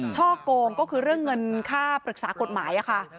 ช่อกงก็คือเรื่องเงินค่าปรึกษากฎหมายค่ะ